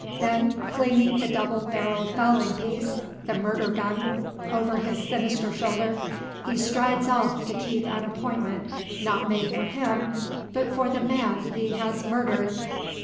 Then, flinging the double barrelled fowling piece the murder gun over his sinister shoulder, he strides off to keep an appointment not made for him, but for the man he has murdered!